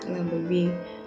là bởi vì